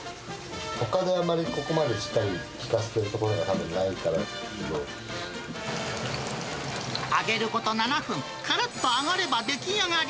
ほかであんまりここまでしっかり効かせてるところはたぶんないか揚げること７分、からっと揚がれば出来上がり。